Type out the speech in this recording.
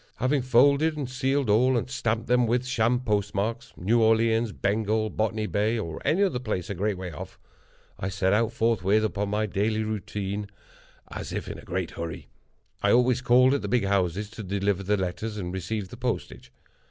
Having folded and sealed all, and stamped them with sham postmarks—New Orleans, Bengal, Botany Bay, or any other place a great way off—I set out, forthwith, upon my daily route, as if in a very great hurry. I always called at the big houses to deliver the letters, and receive the postage.